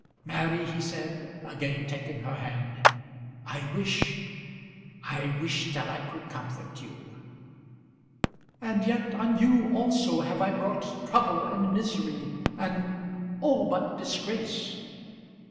"Mary," he said, again taking her hand, "I wish I wish that I could comfort you." "And yet on you also have I brought trouble, and misery and all but disgrace!"